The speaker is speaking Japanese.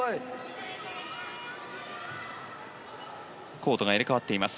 コートが入れ替わっています。